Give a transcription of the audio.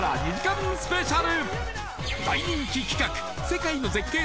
大人気企画世界の絶景